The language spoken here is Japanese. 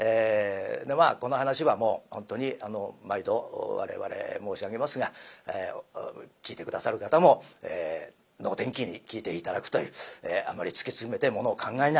まあこの噺はもう本当に毎度我々申し上げますが聴いて下さる方も能天気に聴いて頂くというあまり突き詰めてものを考えないように。